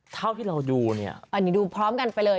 เท่าที่เราดูเนี่ยอันนี้ดูพร้อมกันไปเลย